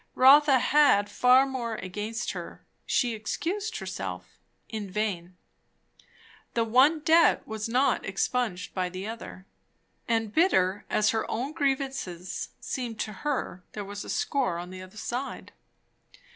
Rotha had far more against her, she excused herself, in vain. The one debt was not expunged by the other. And, bitter as her own grievances seemed to her, there was a score on the other side.